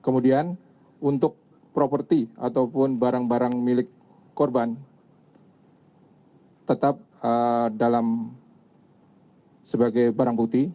kemudian untuk properti ataupun barang barang milik korban tetap dalam sebagai barang bukti